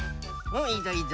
うんいいぞいいぞ。